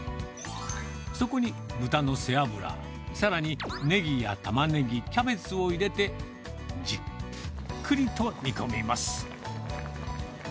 そこに豚の背脂、さらにネギやタマネギ、キャベツを入れて、じっくりと煮込みます。